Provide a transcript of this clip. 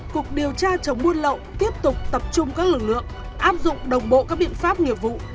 cục điều tra chống buôn lậu tiếp tục tập trung các lực lượng áp dụng đồng bộ các biện pháp nghiệp vụ